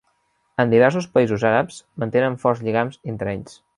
Els diversos països àrabs mantenen forts lligams entre ells.